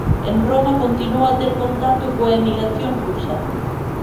En Roma continuou a ter contacto coa emigración rusa.